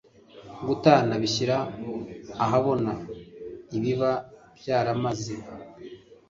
gutana bishyira ahabona ibiba byaramaze